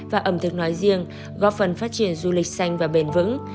và ẩm thực nói riêng góp phần phát triển du lịch xanh và bền vững